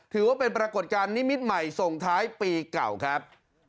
ถือว่าเป็นปรากฏการณ์นิมิตใหม่ส่งท้ายปีเก่าครับ